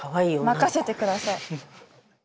任せて下さい。